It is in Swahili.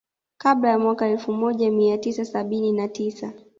Kabla ya mwaka elfu moja mia tisa sabini na tisa